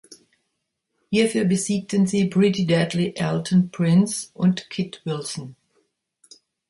Hierfür besiegten sie Pretty Deadly Elton Prince und Kit Wilson.